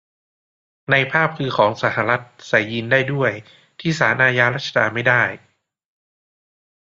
ในภาพคือของสหรัฐ ใส่ยีนส์ได้ด้วย ที่ศาลอาญารัชดาไม่ได้